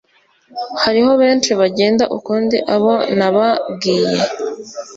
Hariho benshi bagenda ukundi abo nababwiye